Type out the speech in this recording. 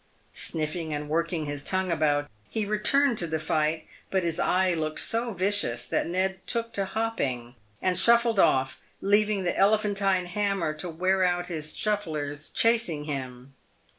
' Sniffing and working his tongue about, he returned to the fight, but his eye looked so vicious that Ned took to hopping, and shuffled off, leaving the elephantine Hammer to wear out his "shufflers" chasing him.